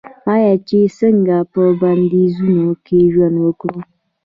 آیا چې څنګه په بندیزونو کې ژوند وکړو؟